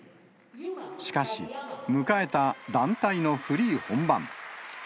しかし、迎えた団体のフリー本番。